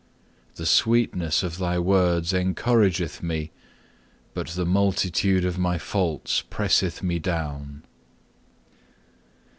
The sweetness of Thy words encourageth me, but the multitude of my faults presseth me down.